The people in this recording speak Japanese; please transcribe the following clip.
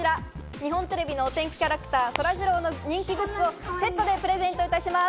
日本テレビの天気キャラクター、そらジローの人気グッズをセットでプレゼントいたします。